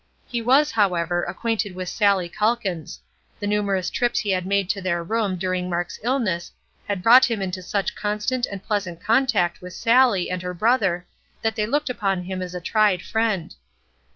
He was, however, acquainted with Sallie Calkins; the numerous trips he had made to their room during Mark's illness had brought him into such constant and pleasant contact with Sallie and her brother that they looked upon him as a tried friend.